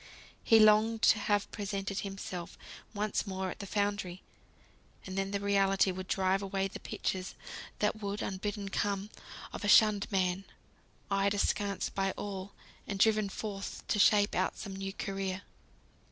He longed to have presented himself once more at the foundry; and then the reality would drive away the pictures that would (unbidden) come of a shunned man, eyed askance by all, and driven forth to shape out some new career.